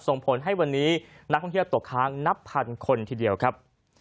ส่งผลให้วันนี้นักท่องเที่ยวตกค้างนับพันคนทีเดียวครับ